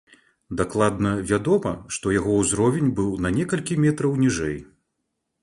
Дакладна вядома, што яго ўзровень быў на некалькі метраў ніжэй.